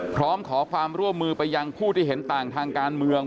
พร้อมขอความร่วมมือไปยังผู้ที่เห็นต่างทางการเมือง